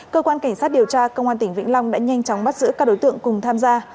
cơ quan cảnh sát điều tra công an tỉnh vĩnh long đã nhanh chóng bắt giữ các đối tượng cùng tham gia